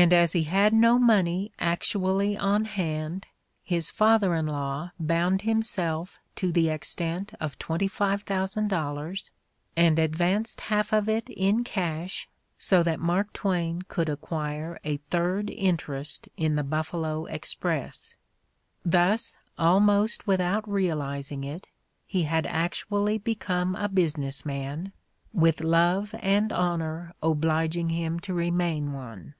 And as he had no money actually on hand, his father in law bound himself to the extent of $25,000 and advanced half of it in cash so that Mark Twain could acquire a third interest in the Buffalo Express. Thus, almost without realizing it, he had actually be come a business man, vnth love and honor obliging him to remain one.